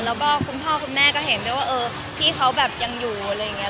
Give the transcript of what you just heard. แล้วก็คุณพ่อคุณแม่ก็เห็นได้ว่าเออพี่เขาแบบยังอยู่อะไรอย่างนี้